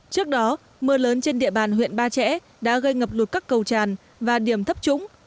trước đó mưa lớn trên địa bàn huyện ba trẻ đã gây ngập lụt các cầu tràn và điểm thấp trúng